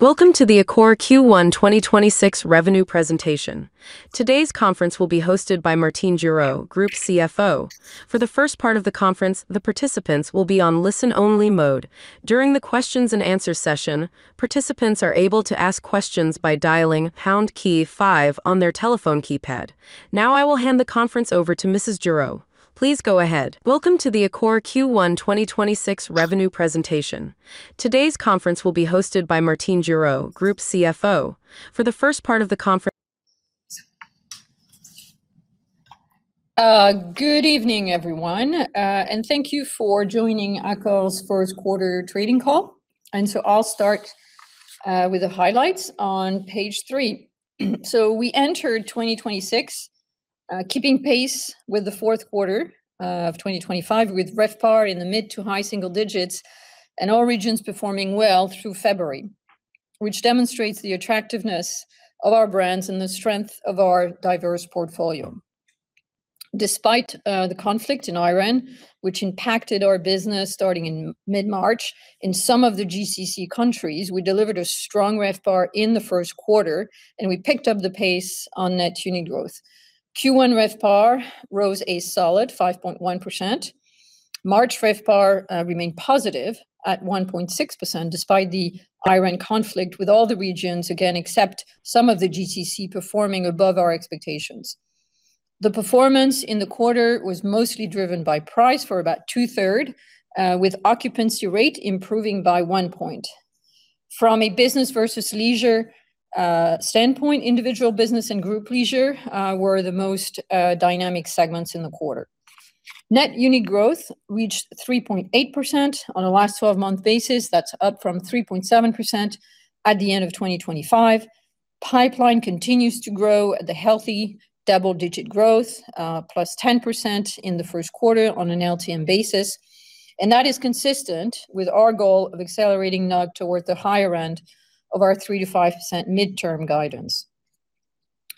Welcome to the Accor Q1 2026 revenue presentation. Today's conference will be hosted by Martine Gerow, Group CFO. For the first part of the conference, the participants will be on listen-only mode. During the questions and answers session, participants are able to ask questions by dialing #5 on their telephone keypad. Now I will hand the conference over to Mrs. Gerow. Please go ahead. Welcome to the Accor Q1 2026 revenue presentation. Today's conference will be hosted by Martine Gerow, Group CFO. For the first part of the conference. Good evening, everyone, and thank you for joining Accor's Q1 trading call. I'll start with the highlights on page three. We entered 2026, keeping pace with the Q4 of 2025, with RevPAR in the mid to high single digits and all regions performing well through February, which demonstrates the attractiveness of our brands and the strength of our diverse portfolio. Despite the conflict in Iran, which impacted our business starting in mid-March in some of the GCC countries, we delivered a strong RevPAR in the Q1, and we picked up the pace on net unit growth. Q1 RevPAR rose a solid 5.1%. March RevPAR remained positive at 1.6%, despite the Iran conflict, with all the regions, again, except some of the GCC performing above our expectations. The performance in the quarter was mostly driven by price for about two-thirds, with occupancy rate improving by one point. From a business versus leisure standpoint, individual business and group leisure were the most dynamic segments in the quarter. Net unit growth reached 3.8% on a last 12-month basis. That's up from 3.7% at the end of 2025. Pipeline continues to grow at the healthy double-digit growth, +10% in the Q1 on an LTM basis, and that is consistent with our goal of accelerating NUG toward the higher end of our 3%-5% midterm guidance.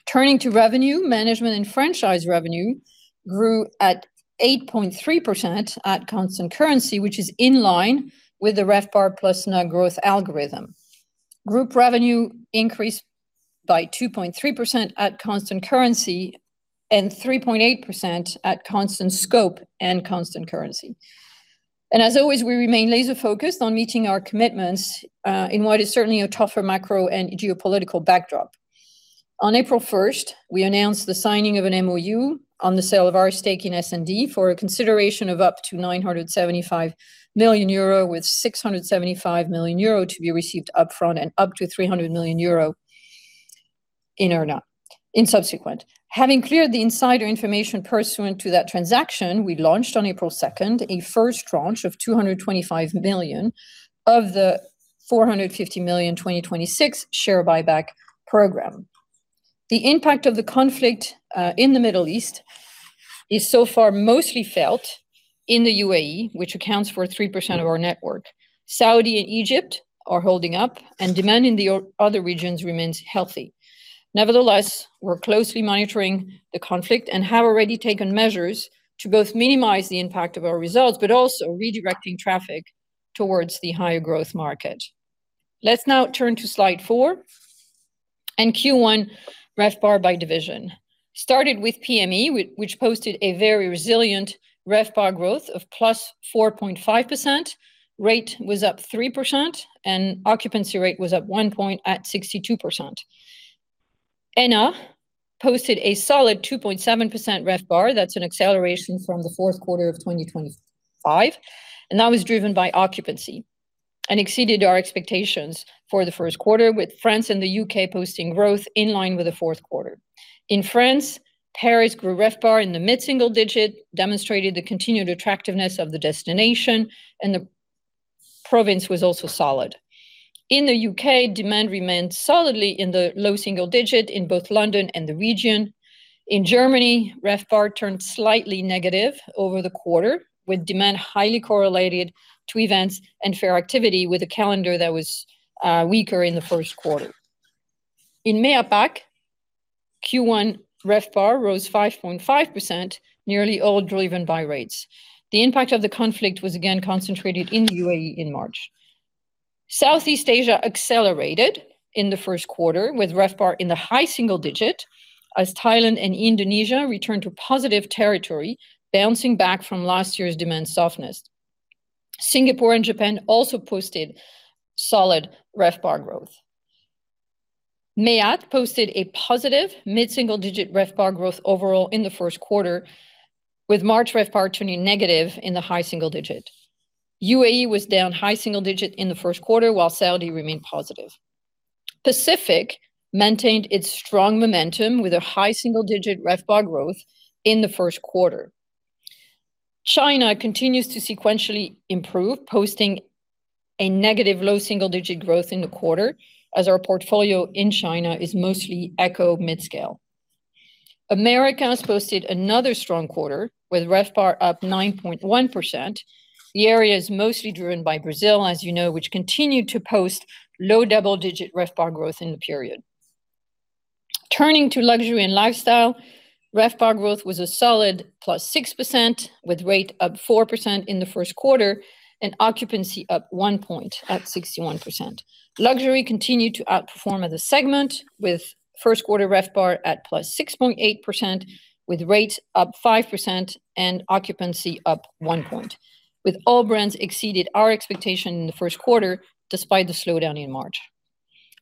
Turning to revenue, management and franchise revenue grew at 8.3% at constant currency, which is in line with the RevPAR plus net growth algorithm. Group revenue increased by 2.3% at constant currency and 3.8% at constant scope and constant currency. As always, we remain laser-focused on meeting our commitments, in what is certainly a tougher macro and geopolitical backdrop. On April 1st, we announced the signing of an MoU on the sale of our stake in S&D for a consideration of up to 975 million euro, with 675 million euro to be received upfront and up to 300 million euro in subsequent. Having cleared the insider information pursuant to that transaction, we launched on April 2nd, a first tranche of 225 million of the 450 million 2026 share buyback program. The impact of the conflict in the Middle East is so far mostly felt in the UAE, which accounts for 3% of our network. Saudi and Egypt are holding up and demand in the other regions remains healthy. Nevertheless, we're closely monitoring the conflict and have already taken measures to both minimize the impact of our results, but also redirecting traffic towards the higher growth market. Let's now turn to slide four and Q1 RevPAR by division. Started with PME, which posted a very resilient RevPAR growth of +4.5%, rate was up 3%, and occupancy rate was up 1 point at 62%. ENA posted a solid 2.7% RevPAR. That's an acceleration from the Q4 of 2025, and that was driven by occupancy and exceeded our expectations for the Q1, with France and the U.K. posting growth in line with the Q4. In France, Paris grew RevPAR in the mid-single digit, demonstrated the continued attractiveness of the destination, and the province was also solid. In the U.K., demand remained solidly in the low single digit in both London and the region. In Germany, RevPAR turned slightly negative over the quarter, with demand highly correlated to events and fair activity with a calendar that was weaker in the Q1. In MEA-PAC, Q1 RevPAR rose 5.5%, nearly all driven by rates. The impact of the conflict was again concentrated in the UAE in March. Southeast Asia accelerated in the Q1 with RevPAR in the high single digit as Thailand and Indonesia returned to positive territory, bouncing back from last year's demand softness. Singapore and Japan also posted solid RevPAR growth. MEA-T posted a positive mid-single-digit RevPAR growth overall in the Q1, with March RevPAR turning negative in the high single digit. UAE was down high single digit in the Q1, while Saudi remained positive. Pacific maintained its strong momentum with a high single digit RevPAR growth in the Q1. China continues to sequentially improve, posting a negative low double-digit growth in the quarter as our portfolio in China is mostly eco midscale. Americas posted another strong quarter with RevPAR up 9.1%. The area is mostly driven by Brazil, as you know, which continued to post low double-digit RevPAR growth in the period. Turning to luxury and lifestyle, RevPAR growth was a solid 6%, with rate up 4% in the Q1, and occupancy up one point at 61%. Luxury continued to outperform as a segment, with Q1 RevPAR at 6.8%, with rates up 5% and occupancy up one point, with all brands exceeded our expectation in the Q1, despite the slowdown in March.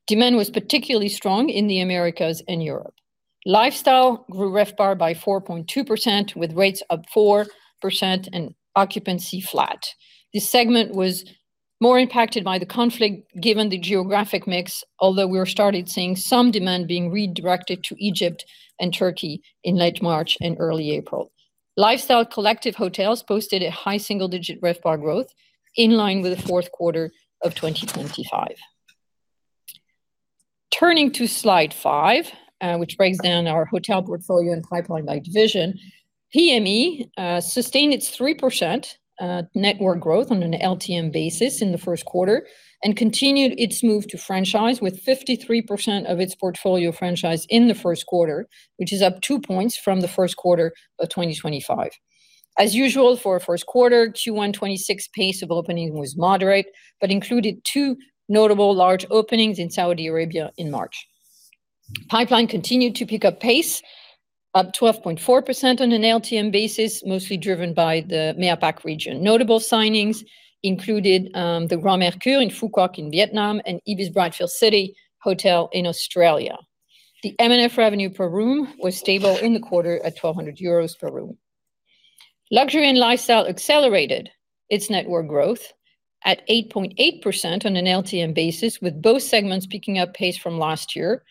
Demand was particularly strong in the Americas and Europe. Lifestyle grew RevPAR by 4.2%, with rates up 4% and occupancy flat. This segment was more impacted by the conflict given the geographic mix, although we have started seeing some demand being redirected to Egypt and Turkey in late March and early April. Lifestyle collective hotels posted a high single-digit RevPAR growth, in line with the Q4 of 2025. Turning to slide five, which breaks down our hotel portfolio and pipeline by division. PME sustained its 3% network growth on an LTM basis in the Q1, and continued its move to franchise, with 53% of its portfolio franchised in the Q1, which is up two points from the Q1 of 2025. As usual, for our Q1, Q1 2026 pace of opening was moderate, but included two notable large openings in Saudi Arabia in March. Pipeline continued to pick up pace, up 12.4% on an LTM basis, mostly driven by the MEAPAC region. Notable signings included the Grand Mercure in Phu Quoc in Vietnam and Ibis Brookfield City Hotel in Australia. The M&F revenue per room was stable in the quarter at 1,200 euros per room. Luxury and lifestyle accelerated its network growth at 8.8% on an LTM basis, with both segments picking up pace from last year,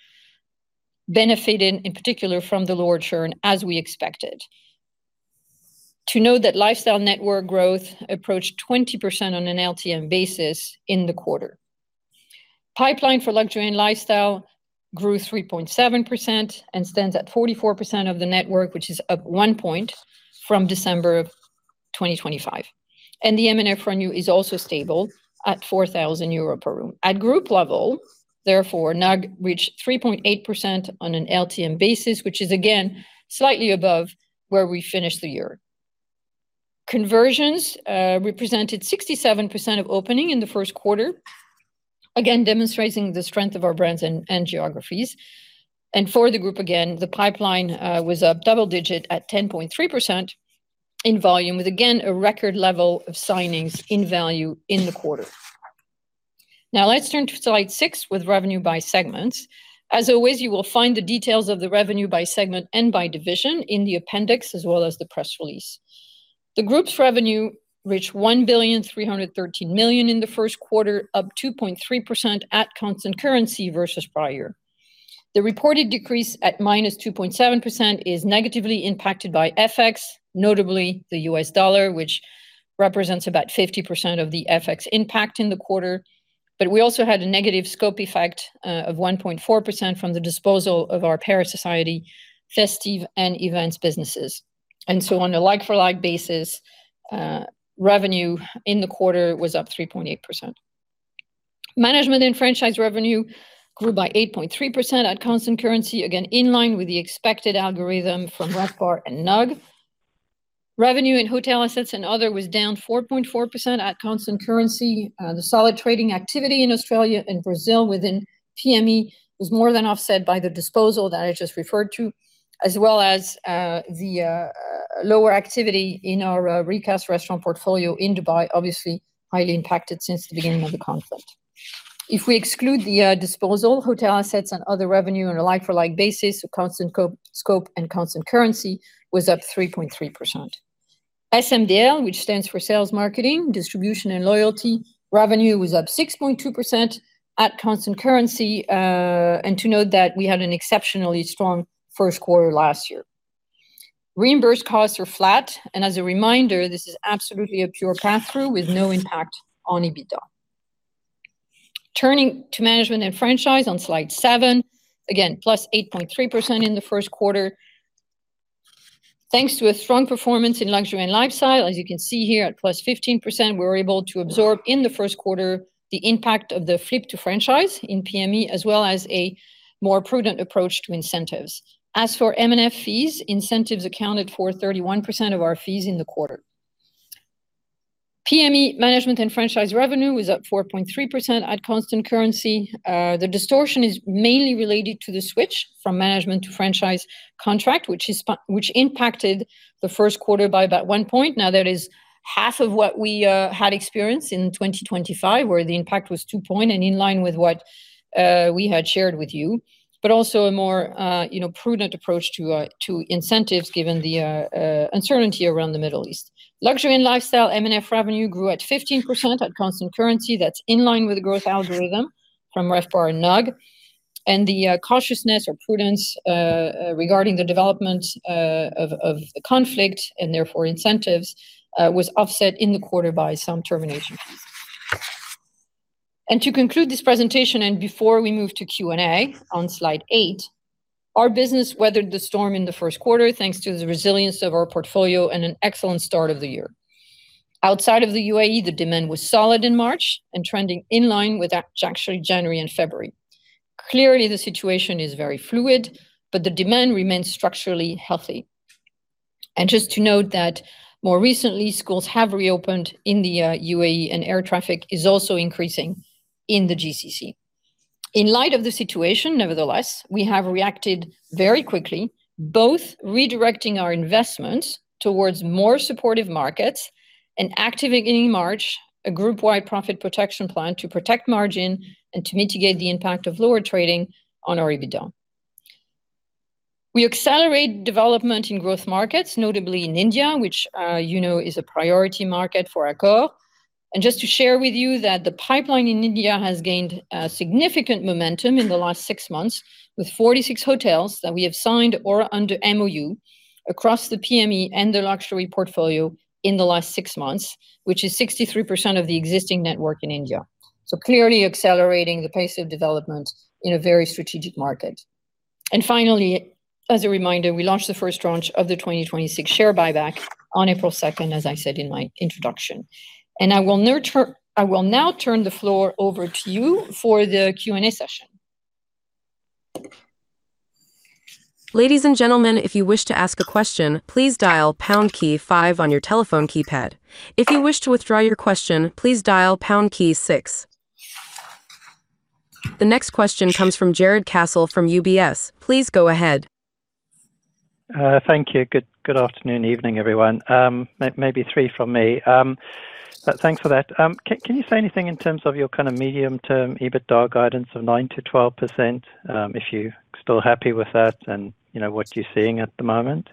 benefiting in particular from the lower churn as we expected. To note that lifestyle network growth approached 20% on an LTM basis in the quarter. Pipeline for luxury and lifestyle grew 3.7% and stands at 44% of the network, which is up one point from December of 2025. The M&F revenue is also stable at 4,000 euro per room. At group level, therefore, NUG reached 3.8% on an LTM basis, which is again slightly above where we finished the year. Conversions represented 67% of openings in the Q1, again demonstrating the strength of our brands and geographies. For the group, again, the pipeline was up double digit at 10.3% in volume, with again, a record level of signings in value in the quarter. Now let's turn to slide six with revenue by segment. As always, you will find the details of the revenue by segment and by division in the appendix, as well as the press release. The group's revenue reached 1.313 billion in the Q1, up 2.3% at constant currency versus prior. The reported decrease at -2.7% is negatively impacted by FX, notably the U.S. dollar, which represents about 50% of the FX impact in the quarter. We also had a negative scope effect of 1.4% from the disposal of our Paris Society festive and events businesses. On a like-for-like basis, revenue in the quarter was up 3.8%. Management and franchise revenue grew by 8.3% at constant currency, again in line with the expected algorithm from RevPAR and NUG. Revenue in hotel assets and other was down 4.4% at constant currency. The solid trading activity in Australia and Brazil within PME was more than offset by the disposal that I just referred to, as well as the lower activity in our Rikas restaurant portfolio in Dubai, obviously highly impacted since the beginning of the conflict. If we exclude the disposal, hotel assets and other revenue on a like-for-like basis with constant scope and constant currency was up 3.3%. SMDL, which stands for sales, marketing, distribution, and loyalty, revenue was up 6.2% at constant currency, and to note that we had an exceptionally strong Q1 last year. Reimburse costs are flat, and as a reminder, this is absolutely a pure pass-through with no impact on EBITDA. Turning to management and franchise on slide seven, again, +8.3% in the Q1. Thanks to a strong performance in luxury and lifestyle, as you can see here at +15%, we were able to absorb in the Q1 the impact of the flip to franchise in PME, as well as a more prudent approach to incentives. As for M&F fees, incentives accounted for 31% of our fees in the quarter. PME management and franchise revenue was up +4.3% at constant currency. The distortion is mainly related to the switch from management to franchise contract, which impacted the Q1 by about one point. Now, that is half of what we had experienced in 2025, where the impact was two point and in line with what we had shared with you, but also a more prudent approach to incentives given the uncertainty around the Middle East. Luxury and lifestyle M&F revenue grew at 15% at constant currency. That's in line with the growth algorithm from RevPAR and NUG. The cautiousness or prudence regarding the development of the conflict, and therefore incentives, was offset in the quarter by some termination fees. To conclude this presentation, and before we move to Q&A, on slide eight, our business weathered the storm in the Q1, thanks to the resilience of our portfolio and an excellent start of the year. Outside of the UAE, the demand was solid in March and trending in line with January and February. Clearly, the situation is very fluid, but the demand remains structurally healthy. Just to note that more recently, schools have reopened in the UAE and air traffic is also increasing in the GCC. In light of the situation, nevertheless, we have reacted very quickly, both redirecting our investments towards more supportive markets and activating, in March, a group-wide profit protection plan to protect margin and to mitigate the impact of lower trading on our EBITDA. We accelerate development in growth markets, notably in India, which you know is a priority market for Accor. Just to share with you that the pipeline in India has gained significant momentum in the last 6 months, with 46 hotels that we have signed or under MOU across the PME and the luxury portfolio in the last 6 months, which is 63% of the existing network in India. Clearly accelerating the pace of development in a very strategic market. Finally, as a reminder, we launched the first tranche of the 2026 share buyback on April 2nd, as I said in my introduction. I will now turn the floor over to you for the Q&A session. Ladies and gentlemen, if you wish to ask a question, please dial pound key five on your telephone keypad. If you wish to withdraw your question, please dial pound key six. The next question comes from Jarrod Castle from UBS. Please go ahead. Thank you. Good afternoon, evening, everyone. Maybe three from me, but thanks for that. Can you say anything in terms of your medium term EBITDA guidance of 9%-12%? If you're still happy with that and what you're seeing at the moment?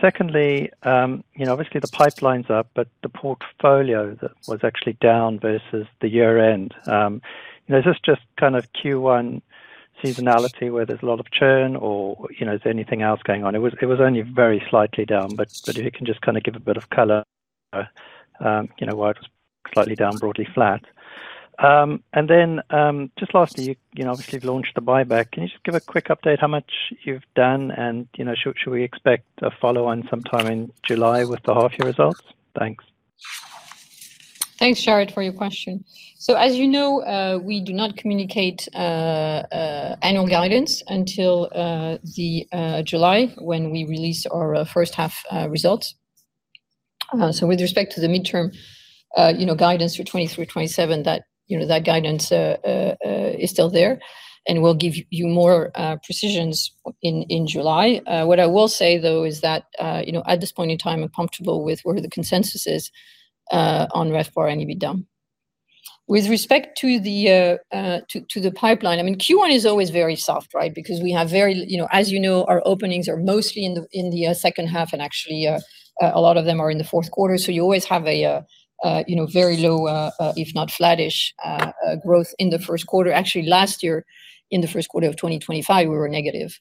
Secondly, obviously the pipeline's up, but the portfolio that was actually down versus the year-end. Is this just Q1 seasonality where there's a lot of churn or is there anything else going on? It was only very slightly down, but if you can just give a bit of color, why it was slightly down, broadly flat. Just lastly, obviously you've launched the buyback. Can you just give a quick update how much you've done, and should we expect a follow-on sometime in July with the half year results? Thanks. Thanks, Jarrod, for your question. As you know, we do not communicate annual guidance until July when we release our H1 results. With respect to the midterm guidance for 2023 to 2027, that guidance is still there, and we'll give you more precision in July. What I will say, though, is that, at this point in time, I'm comfortable with where the consensus is on RevPAR and EBITDA. With respect to the pipeline, Q1 is always very soft, right? Because as you know, our openings are mostly in the H2 and actually a lot of them are in the Q4, so you always have a very low, if not flattish, growth in the Q1. Actually, last year, in the Q1 of 2025, we were negative.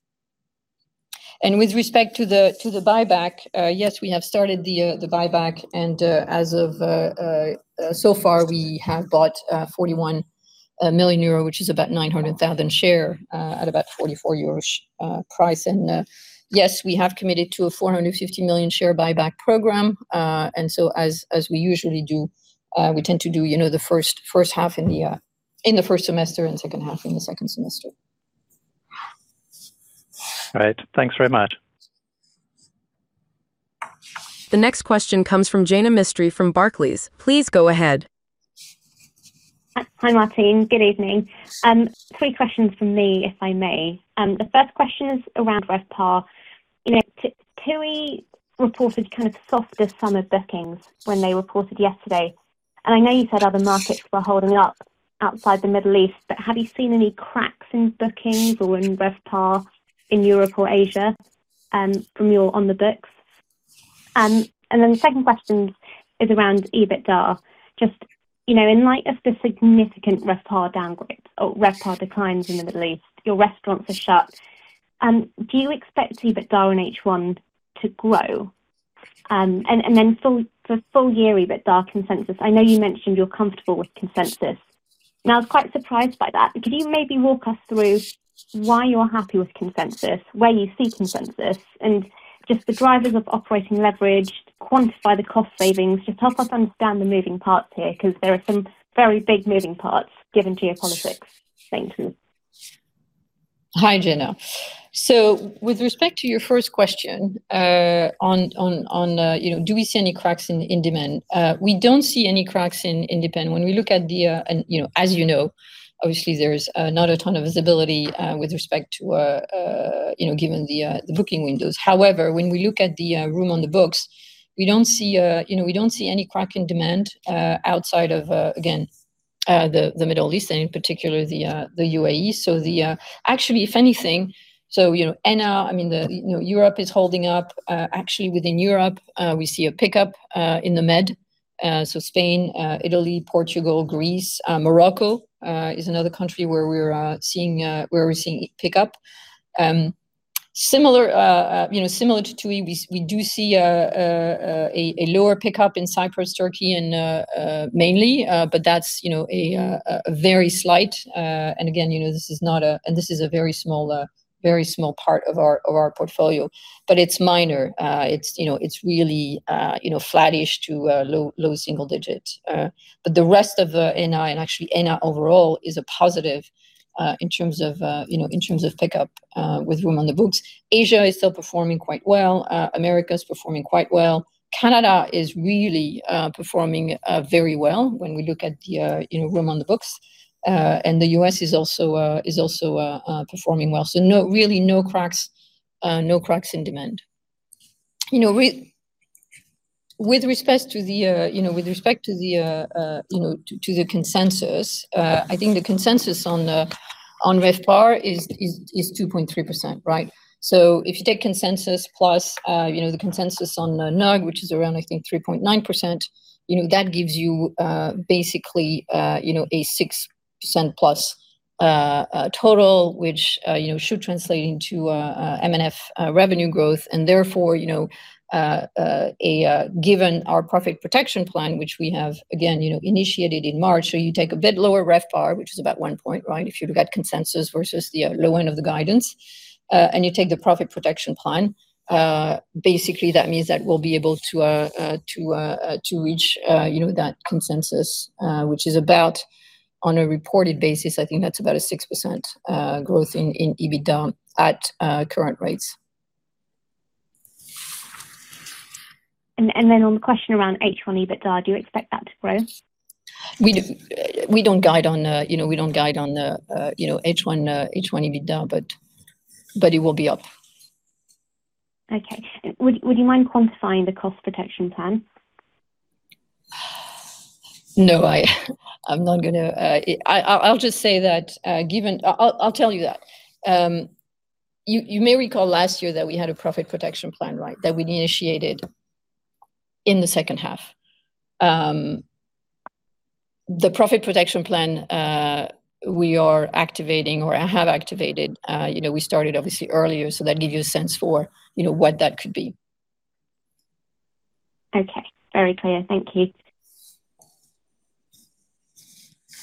With respect to the buyback, yes, we have started the buyback. As of so far, we have bought 41 million euro, which is about 900,000 shares at about 44 euros price. Yes, we have committed to a 450 million share buyback program. As we usually do, we tend to do the H1 in the first semester and H2 in the second semester. All right. Thanks very much. The next question comes from Jaina Mistry from Barclays. Please go ahead. Hi, Martine. Good evening. Three questions from me, if I may. The first question is around RevPAR. TUI reported softer summer bookings when they reported yesterday. I know you said other markets were holding up outside the Middle East, but have you seen any cracks in bookings or in RevPAR in Europe or Asia from your on the books? The second question is around EBITDA. Just, in light of the significant RevPAR declines in the Middle East, your restaurants are shut. Do you expect EBITDA in H1 to grow? For full year EBITDA consensus, I know you mentioned you're comfortable with consensus, and I was quite surprised by that. Could you maybe walk us through why you're happy with consensus, where you see consensus, and just the drivers of operating leverage to quantify the cost savings? Just help us understand the moving parts here, because there are some very big moving parts given the politics. Thank you. Hi, Jaina. With respect to your first question on do we see any cracks in demand? We don't see any cracks in demand. As you know, obviously there's not a ton of visibility with respect to given the booking windows. However, when we look at the room on the books, we don't see any crack in demand outside of, again, the Middle East and in particular the UAE. Actually if anything, so NR, Europe is holding up. Actually within Europe, we see a pickup in the Med, so Spain, Italy, Portugal, Greece. Morocco is another country where we're seeing pickup. Similar to TUI, we do see a lower pickup in Cyprus, Turkey, and mainly, but that's very slight. Again, this is a very small part of our portfolio, but it's minor. It's really flattish to low single digit. The rest of the NI, and actually NI overall, is a positive in terms of pickup with room on the books. Asia is still performing quite well. America's performing quite well. Canada is really performing very well when we look at the room on the books. The U.S. is also performing well. Really no cracks in demand. With respect to the consensus, I think the consensus on RevPAR is 2.3%, right? If you take consensus plus the consensus on NUG, which is around, I think, 3.9%, that gives you basically a 6%+ total, which should translate into M&F revenue growth, and therefore, given our profit protection plan, which we have, again, initiated in March. You take a bit lower RevPAR, which is about one point, right? If you look at consensus versus the low end of the guidance, and you take the profit protection plan, basically that means that we'll be able to reach that consensus, which is about, on a reported basis, I think that's about a 6% growth in EBITDA at current rates. On the question around H1 EBITDA, do you expect that to grow? We don't guide on H1 EBITDA, but it will be up. Okay. Would you mind quantifying the cost protection plan? No, I'm not going to. I'll tell you that. You may recall last year that we had a profit protection plan that we initiated in the H2. The profit protection plan we are activating or have activated, we started obviously earlier, so that gives you a sense for what that could be. Okay. Very clear. Thank you.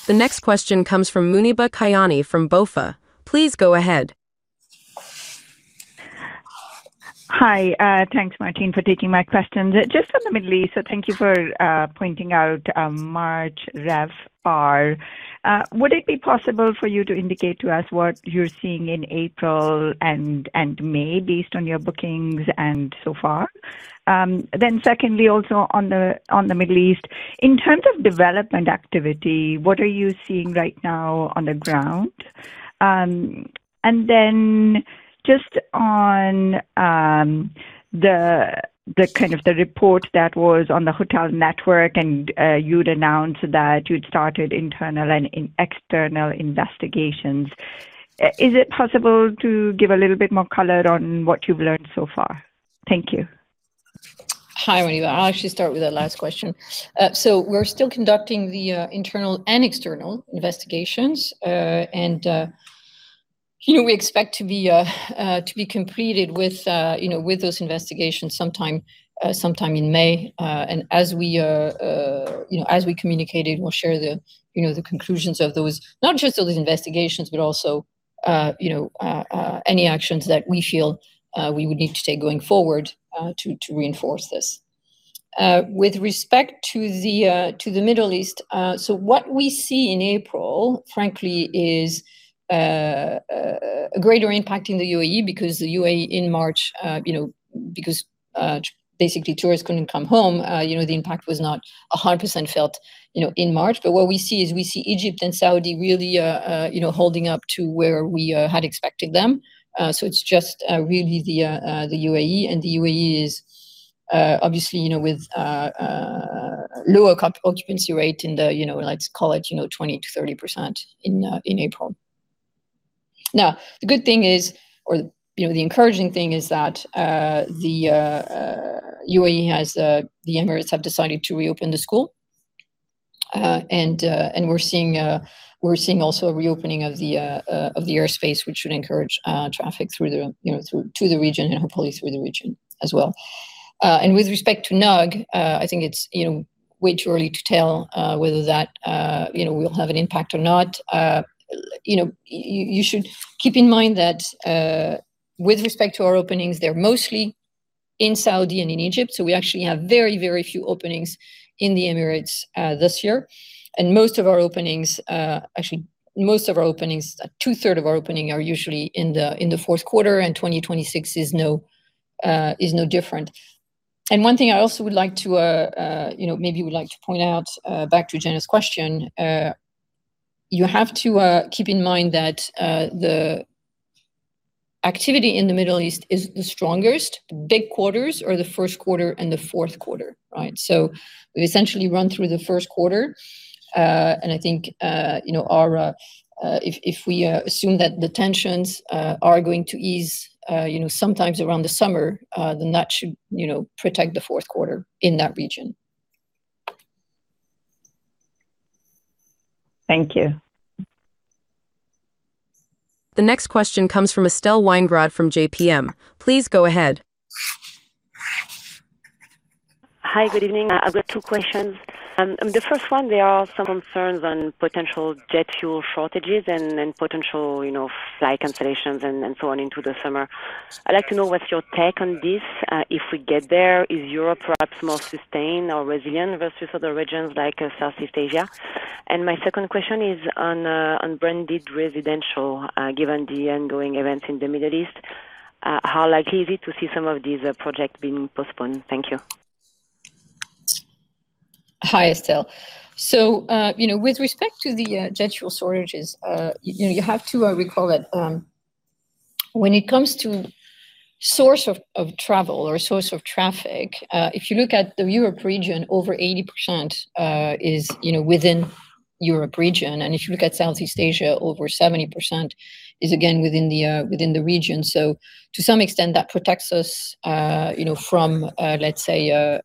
The next question comes from Muneeba Kayani from BofA. Please go ahead. Hi. Thanks, Martine, for taking my questions. Just on the Middle East, so thank you for pointing out March RevPAR. Would it be possible for you to indicate to us what you're seeing in April and May based on your bookings and so far? Secondly, also on the Middle East, in terms of development activity, what are you seeing right now on the ground? Just on the report that was on the hotel network, and you'd announced that you'd started internal and external investigations. Is it possible to give a little bit more color on what you've learned so far? Thank you. Hi, Muneeba. I'll actually start with that last question. We're still conducting the internal and external investigations, and we expect to be completed with those investigations sometime in May. As we communicated, we'll share the conclusions of those, not just of these investigations, but also any actions that we feel we would need to take going forward to reinforce this. With respect to the Middle East, so what we see in April, frankly, is a greater impact in the UAE because the UAE in March, because basically tourists couldn't come home, the impact was not 100% felt in March. What we see is we see Egypt and Saudi really holding up to where we had expected them. It's just really the UAE, and the UAE is obviously with lower occupancy rate in the, let's call it, 20%-30% in April. Now, the good thing is, or the encouraging thing is that the Emirates have decided to reopen the schools. We're seeing also a reopening of the airspace, which should encourage traffic to the region and hopefully through the region as well. With respect to NUG, I think it's way too early to tell whether that will have an impact or not. You should keep in mind that with respect to our openings, they're mostly in Saudi and in Egypt, so we actually have very, very few openings in the Emirates this year. Most of our openings, actually, two-thirds of our openings are usually in the Q4, and 2026 is no different. One thing I also would like to point out, back to Jaina's question, you have to keep in mind that the activity in the Middle East is the strongest. The big quarters are the Q1 and the Q4, right? We essentially run through the Q1, and I think if we assume that the tensions are going to ease sometime around the summer, then that should protect the Q4 in that region. Thank you. The next question comes from Estelle Weingrod from JPM. Please go ahead. Hi. Good evening. I've got two questions. The first one, there are some concerns on potential jet fuel shortages and potential flight cancellations and so on into the summer. I'd like to know what's your take on this. If we get there, is Europe perhaps more sustained or resilient versus other regions like Southeast Asia? My second question is on branded residential. Given the ongoing events in the Middle East, how likely is it to see some of these projects being postponed? Thank you. Hi, Estelle. With respect to the jet fuel shortages, you have to recall that when it comes to source of travel or source of traffic, if you look at the Europe region, over 80% is within Europe region. If you look at Southeast Asia, over 70% is again within the region. To some extent, that protects us from, let's say,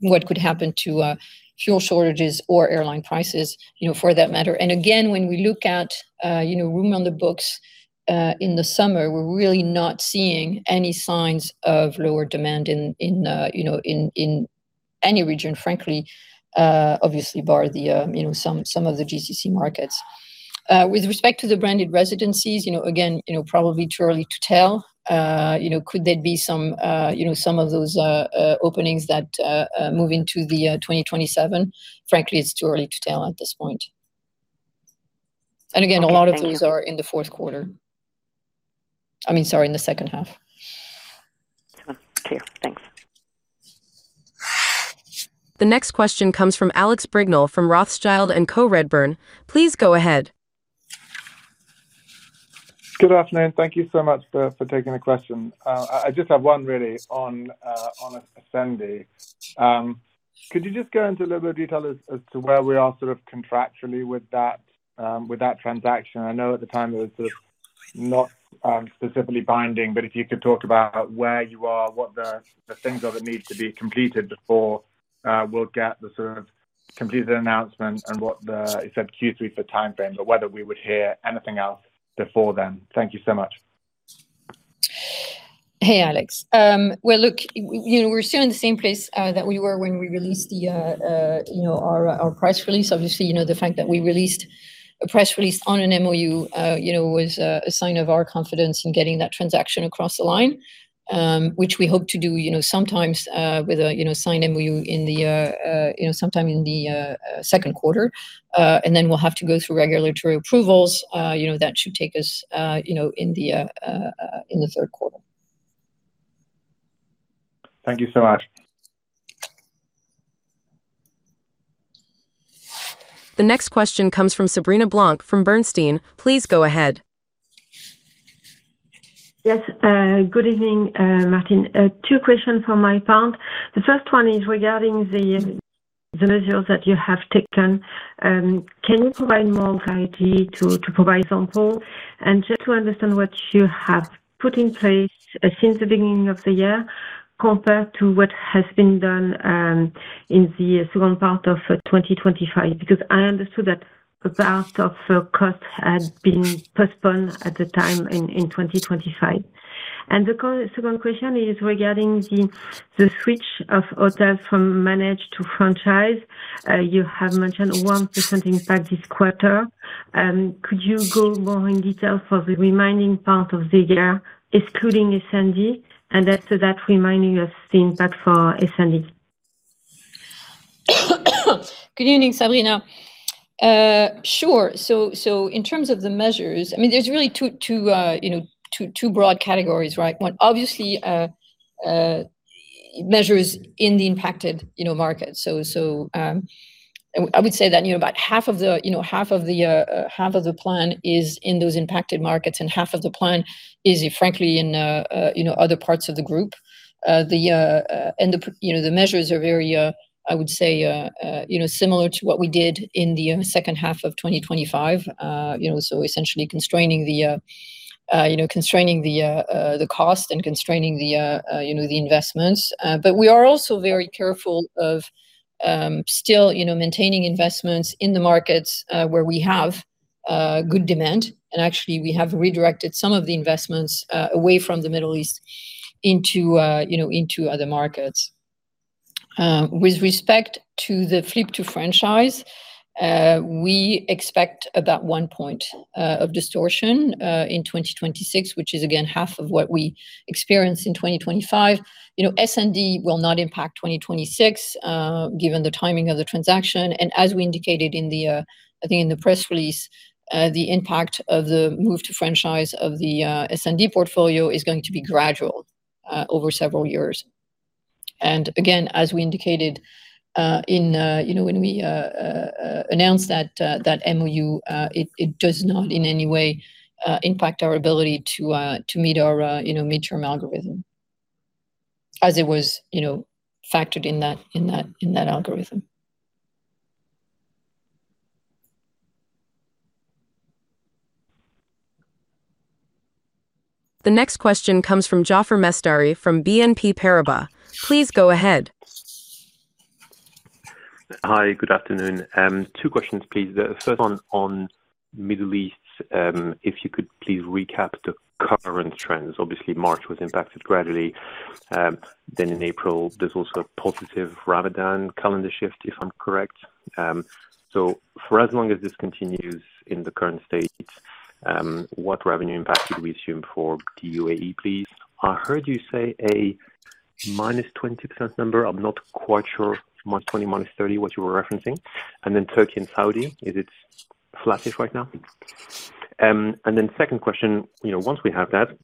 what could happen to fuel shortages or airline prices, for that matter. When we look at room on the books in the summer, we're really not seeing any signs of lower demand in any region, frankly, obviously, bar some of the GCC markets. With respect to the branded residencies, again, probably too early to tell. Could there be some of those openings that move into the 2027? Frankly, it's too early to tell at this point. Again, a lot of these are in the Q4. I mean, sorry, in the H2. Okay. Thanks. The next question comes from Alex Brignall from Rothschild & Co Redburn. Please go ahead. Good afternoon. Thank you so much for taking the question. I just have one really on Essendi. Could you just go into a little bit of detail as to where we are contractually with that transaction? I know at the time it was not specifically binding, but if you could talk about where you are, what the things are that need to be completed before we'll get the completed announcement and what the, you said Q3 for timeframe, but whether we would hear anything else before then. Thank you so much. Hey, Alex. Well, look, we're still in the same place that we were when we released our press release. Obviously, the fact that we released a press release on an MOU was a sign of our confidence in getting that transaction across the line, which we hope to do sometimes with a signed MOU sometime in the Q2. We'll have to go through regulatory approvals that should take us in the Q3. Thank you so much. The next question comes from Sabrina Blanc from Bernstein. Please go ahead. Yes. Good evening, Martine. Two questions from my part. The first one is regarding the measures that you have taken. Can you provide more clarity to provide example and just to understand what you have put in place since the beginning of the year compared to what has been done in the second part of 2025? Because I understood that the part of cost had been postponed at the time in 2025. The second question is regarding the switch of hotels from managed to franchise. You have mentioned 1% impact this quarter. Could you go more in detail for the remaining part of the year, excluding Essendi, and after that remaining as the impact for Essendi? Good evening, Sabrina. Sure. In terms of the measures, there's really two broad categories, right? One, obviously, measures in the impacted markets. I would say that about half of the plan is in those impacted markets, and half of the plan is frankly in other parts of the group. The measures are very, I would say, similar to what we did in the H2 of 2025. Essentially constraining the cost and constraining the investments. We are also very careful of still maintaining investments in the markets, where we have good demand. Actually, we have redirected some of the investments away from the Middle East into other markets. With respect to the flip to franchise, we expect about one point of distortion, in 2026, which is again, half of what we experienced in 2025. Essendi will not impact 2026, given the timing of the transaction. As we indicated, I think in the press release, the impact of the move to franchise of the Essendi portfolio is going to be gradual over several years. Again, as we indicated when we announced that MOU, it does not in any way impact our ability to meet our midterm algorithm as it was factored in that algorithm. The next question comes from Jaafar Mestari from BNP Paribas. Please go ahead. Hi, good afternoon. two questions, please. The first one on Middle East, if you could please recap the current trends. Obviously, March was impacted gradually. In April, there's also a positive Ramadan calendar shift, if I'm correct. For as long as this continues in the current state, what revenue impact should we assume for the UAE, please? I heard you say a -20% number. I'm not quite sure, -20%, -30%, what you were referencing. Turkey and Saudi, is it flattish right now? Second question, once we have that,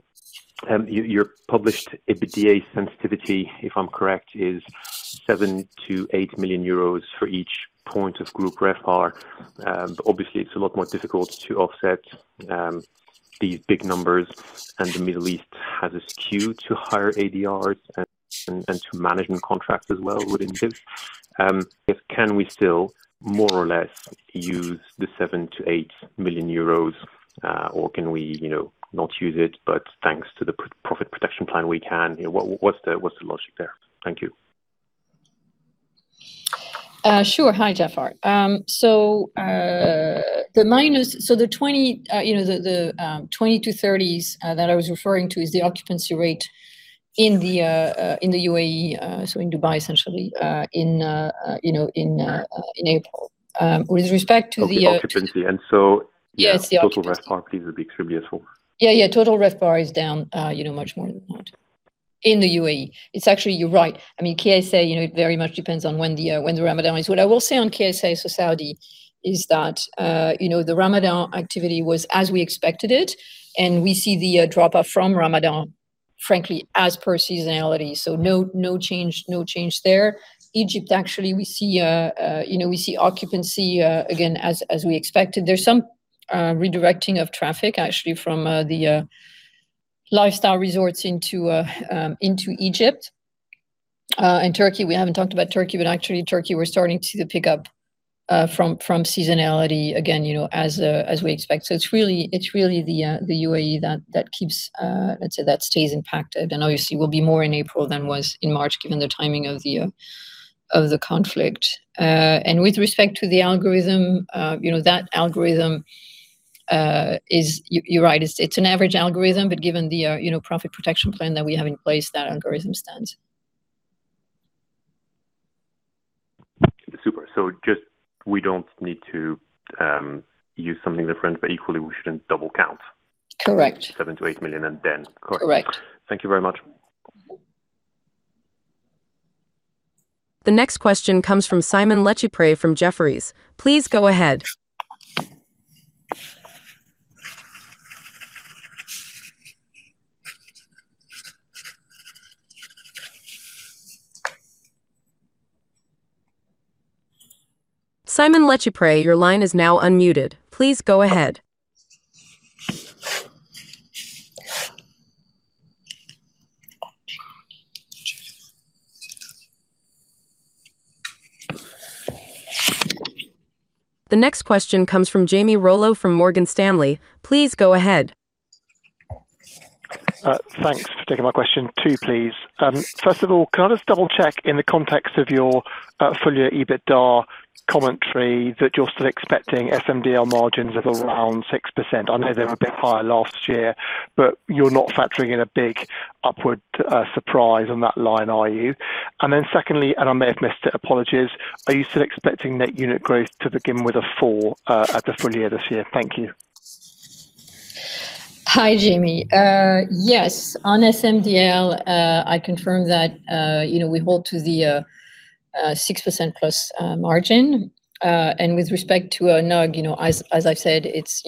your published EBITDA sensitivity, if I'm correct, is 7 million-8 million euros for each point of group RevPAR. But obviously, it's a lot more difficult to offset these big numbers, and the Middle East has a skew to higher ADRs and to management contracts as well, wouldn't it? Can we still, more or less, use the 7 million-8 million euros, or can we not use it, but thanks to the profit protection plan, we can. What's the logic there? Thank you. Sure. Hi, Jaafar. The 20%-30s that I was referring to is the occupancy rate in the UAE, so in Dubai, essentially, in April. With respect to the The occupancy. Yes, the occupancy.... total RevPAR, please, would be clearly useful. Yeah. Total RevPAR is down much more than that in the UAE. It's actually, you're right. I mean, KSA, it very much depends on when the Ramadan is. What I will say on KSA, so Saudi, is that the Ramadan activity was as we expected it, and we see the drop-off from Ramadan, frankly, as per seasonality. No change there. Egypt, actually, we see occupancy again, as we expected. There's some redirecting of traffic, actually, from the lifestyle resorts into Egypt. Turkey, we haven't talked about Turkey, but actually Turkey, we're starting to see the pickup from seasonality again as we expect. It's really the UAE that stays impacted and obviously will be more in April than was in March, given the timing of the conflict. With respect to the algorithm, that algorithm is, you're right, it's an average algorithm, but given the profit protection plan that we have in place, that algorithm stands. Super. Just we don't need to use something different, but equally, we shouldn't double count. Correct. 7 million-8 million. Correct. Thank you very much. The next question comes from Simon Lechipre from Jefferies. Please go ahead. Simon Lechipre, your line is now unmuted. Please go ahead. The next question comes from Jamie Rollo from Morgan Stanley. Please go ahead. Thanks for taking my question. Two, please. First of all, can I just double-check in the context of your full year EBITDA commentary that you're still expecting SMDL margins of around 6%. I know they were a bit higher last year, but you're not factoring in a big upward surprise on that line, are you? Secondly, and I may have missed it, apologies, are you still expecting net unit growth to begin with a 4% at the full year this year? Thank you. Hi, Jamie. Yes. On SMDL, I confirm that we hold to the 6%+ margin. With respect to NUG, as I've said, it's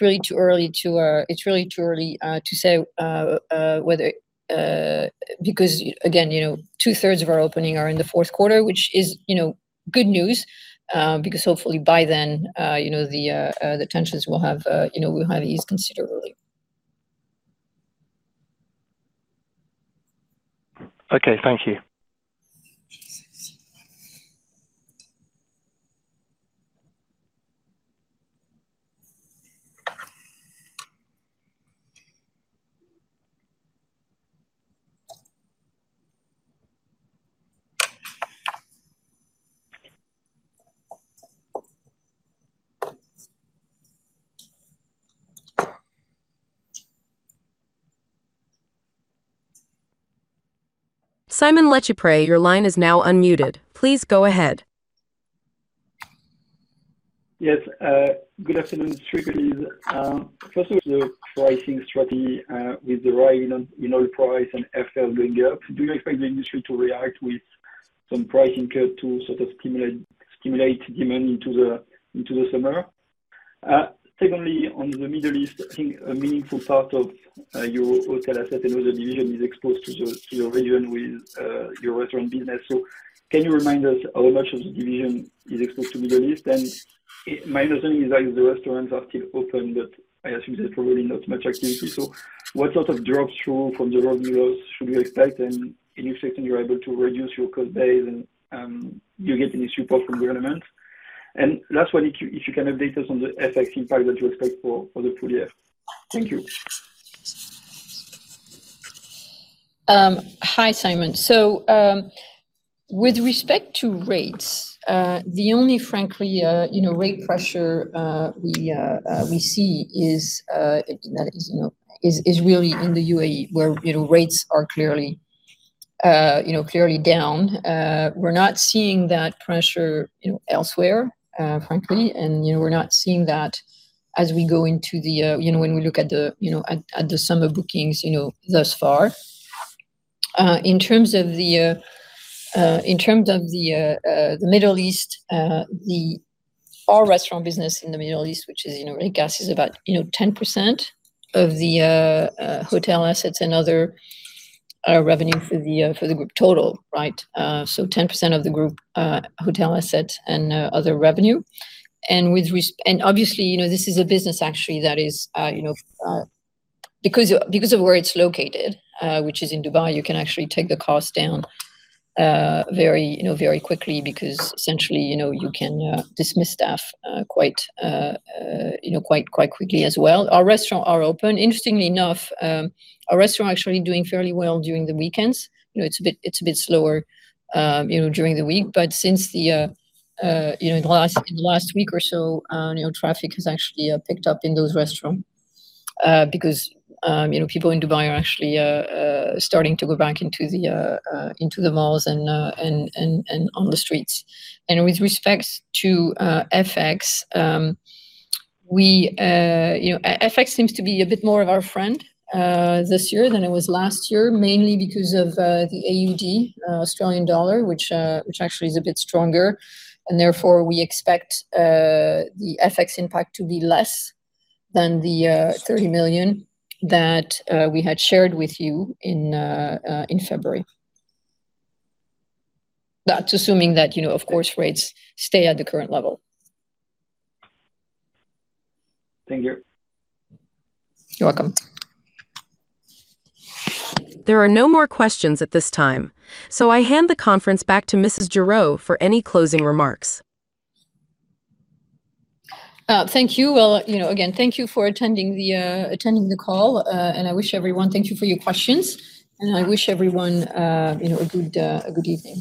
really too early to say, because again, 2/3 of our openings are in the Q4, which is good news, because hopefully by then the tensions will have eased considerably. Okay. Thank you. Simon Lechipre, your line is now unmuted. Please go ahead. Yes. Good afternoon. Three, please. First of all, the pricing strategy with the rise in oil price and FL going up. Do you expect the industry to react with some pricing cut to sort of stimulate demand into the summer? Secondly, on the Middle East, I think a meaningful part of your hotel asset and other division is exposed to the region with your restaurant business. So can you remind us how much of the division is exposed to Middle East? And my understanding is that the restaurants are still open, but I assume there's probably not much activity. So what sort of drop through from the revenue loss should we expect? And to what extent you're able to reduce your cost base and do you get any support from government? And last one, if you can update us on the FX impact that you expect for the full year. Thank you. Hi, Simon. With respect to rates, the only frankly rate pressure we see is really in the UAE where rates are clearly down. We're not seeing that pressure elsewhere, frankly, and we're not seeing that when we look at the summer bookings thus far. In terms of the Middle East, our restaurant business in the Middle East, which is, I guess, is about 10% of the hotel assets and other revenue for the group total, right? 10% of the group hotel assets and other revenue. Obviously, this is a business actually that is, because of where it's located, which is in Dubai, you can actually take the cost down very quickly because essentially, you can dismiss staff quite quickly as well. Our restaurants are open. Interestingly enough, our restaurants are actually doing fairly well during the weekends. It's a bit slower during the week, but since the last week or so, traffic has actually picked up in those restaurants because people in Dubai are actually starting to go back into the malls and on the streets. With respect to FX seems to be a bit more of our friend this year than it was last year, mainly because of the AUD, Australian dollar, which actually is a bit stronger, and therefore we expect the FX impact to be less than the 30 million that we had shared with you in February. That's assuming that, of course, rates stay at the current level. Thank you. You're welcome. There are no more questions at this time, so I hand the conference back to Mrs. Gerow for any closing remarks. Thank you. Well, again, thank you for attending the call, and thank you for your questions. I wish everyone a good evening.